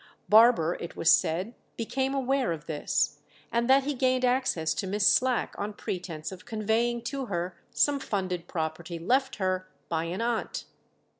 Barber, it was said, became aware of this, and that he gained access to Miss Slack on pretence of conveying to her some funded property left her by an aunt.